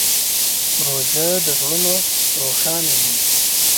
روژه د زړونو روښانوي.